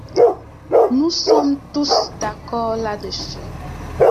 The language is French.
Nous sommes tous d’accord là-dessus.